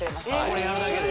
これやるだけで？